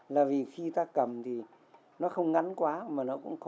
là vì khi ta cầm thì nó không ngắn quá mà nó cũng có